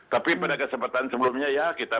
tapi pada kesempatan sebelumnya ya kita